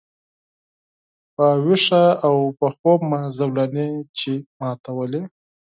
په ویښه او په خوب مي زولنې چي ماتولې